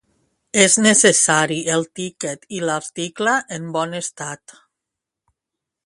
És necessari el tiquet i l'article en bon estat.